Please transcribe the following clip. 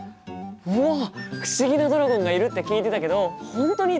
うわっ不思議なドラゴンがいるって聞いてたけど本当にいたんだ！